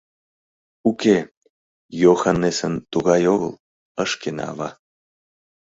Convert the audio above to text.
— Уке, Йоханнесын тугай огыл, — ыш кӧнӧ ава.